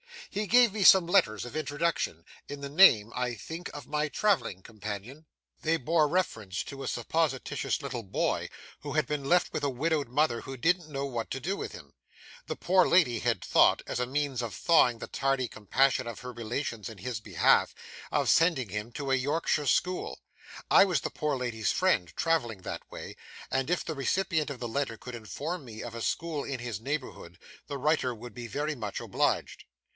He gave me some letters of introduction, in the name, I think, of my travelling companion; they bore reference to a supposititious little boy who had been left with a widowed mother who didn't know what to do with him; the poor lady had thought, as a means of thawing the tardy compassion of her relations in his behalf, of sending him to a Yorkshire school; I was the poor lady's friend, travelling that way; and if the recipient of the letter could inform me of a school in his neighbourhood, the writer would be very much obliged.